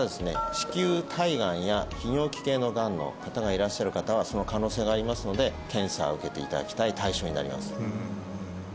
子宮体がんや泌尿器系のがんの方がいらっしゃる方はその可能性がありますので検査を受けていただきたい対象になります